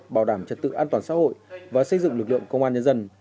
bảo đảm trật tự an toàn xã hội và xây dựng lực lượng công an nhân dân